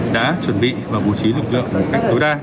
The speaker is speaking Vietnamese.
đã chuẩn bị và bố trí lực lượng một cách tối đa